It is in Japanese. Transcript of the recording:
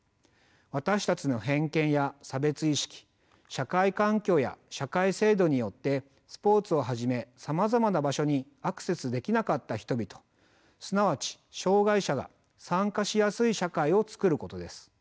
私たちの偏見や差別意識社会環境や社会制度によってスポーツをはじめさまざまな場所にアクセスできなかった人々すなわち障害者が参加しやすい社会をつくることです。